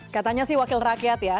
katanya sih wakil rakyat ya